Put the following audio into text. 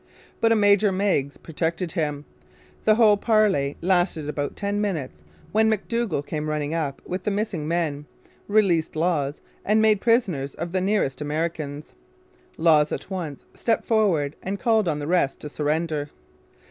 But a Major Meigs protected him. The whole parley had lasted about ten minutes when McDougall came running up with the missing men, released Lawes, and made prisoners of the nearest Americans. Lawes at once stepped forward and called on the rest to surrender.